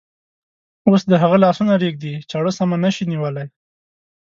اوس د هغه لاسونه رېږدي، چاړه سمه نشي نیولی.